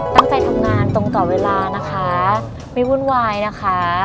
ตั้งใจทำงานตรงต่อเวลานะคะไม่วุ่นวายนะคะ